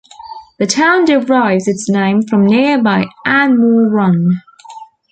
The town derives its name from nearby Ann Moore Run.